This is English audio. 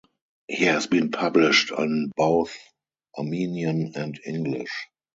He has been published in both Armenian and English.